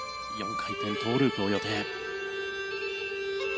４回転トウループを予定。